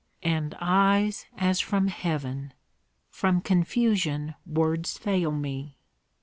"And eyes as from heaven! From confusion, words fail me."